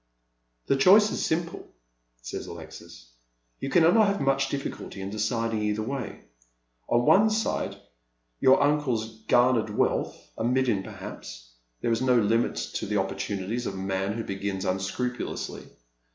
"The choice is simple," says Alexis. "You cannot have much difficulty in deciding either way. On one side your uncle's garnered wealth, a million perhaps, there is no limit ta the opportunities of a man who begins unscrupulously.